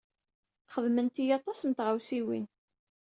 Xedment-iyi aṭas n tɣawsiwin.